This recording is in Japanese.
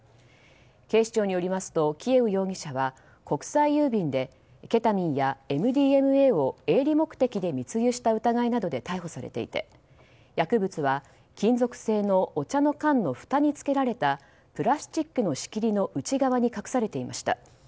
警視庁によりますとキエウ容疑者は国際郵便でケタミンやＭＤＭＡを営利目的で密輸した疑いなどで逮捕されていて薬物は金属製のお茶の缶のふたにつけられたプラスチックの仕切りの内側に隠されていました。